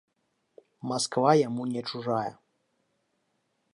Масква яму не чужая.